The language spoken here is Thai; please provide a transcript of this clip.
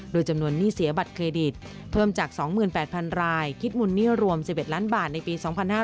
โดยจำนวนหนี้เสียบัตรเครดิตเพิ่มจาก๒๘๐๐๐รายคิดมูลหนี้รวม๑๑ล้านบาทในปี๒๕๕๙